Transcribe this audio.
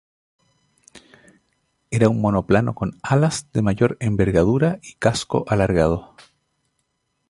Era un monoplano con alas de mayor envergadura y casco alargado.